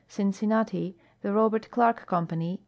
Cincinnati: The Robert Clarke Company.